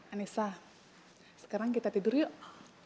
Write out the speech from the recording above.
anissa sekarang kita tidur yuk